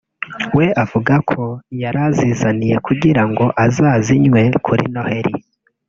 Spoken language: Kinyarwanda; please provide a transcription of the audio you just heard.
we avuga ko yari ayizaniye kugira ngo azayinywe kuri Noheli